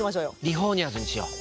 リフォーニャーズにしよう。